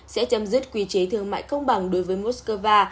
sẽ chấm dứt quy chế thương mại công bằng đối với moscow